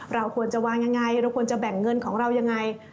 เราควรจะวางยังไงเราควรจะแบ่งเงินของเรายังไง